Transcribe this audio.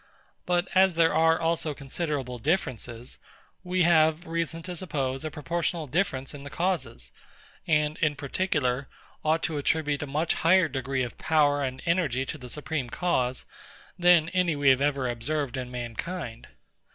But as there are also considerable differences, we have reason to suppose a proportional difference in the causes; and in particular, ought to attribute a much higher degree of power and energy to the supreme cause, than any we have ever observed in mankind.